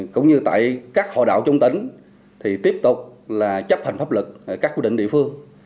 cũng như tại các hội đạo trong tỉnh thì tiếp tục là chấp hành pháp lực các quy định địa phương